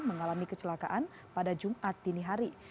mengalami kecelakaan pada jumat dini hari